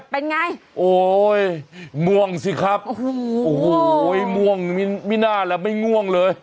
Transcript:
เป็นไงโอ้ยม่วงสิครับโอ้โหม่วงมิน่าแล้วไม่ง่วงเลย